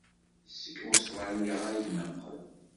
Seg Ustṛalya ay d-neqqel.